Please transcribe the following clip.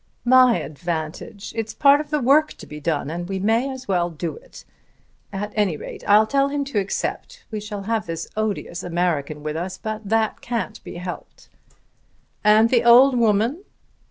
"My advantage! It's part of the work to be done and we may as well do it. At any rate I'll tell him to accept. We shall have this odious American with us, but that can't be helped." "And the old woman?"